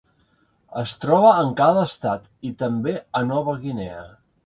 Es troba en cada estat i també a Nova Guinea.